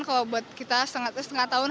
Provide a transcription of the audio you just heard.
kalau buat kita setengah tahun